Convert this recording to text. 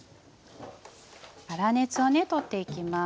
粗熱をね取っていきます。